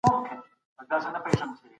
د ټولني د پرمختګ له پاره کار وکړئ.